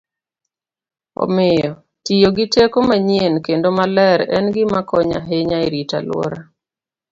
Omiyo, tiyo gi teko manyien kendo maler en gima konyo ahinya e rito alwora.